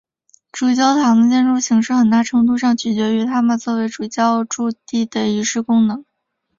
主教座堂的建筑形式很大程度上取决于它们作为主教驻地的仪式功能。